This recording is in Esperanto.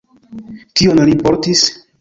Kion li portis?